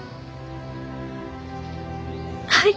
はい。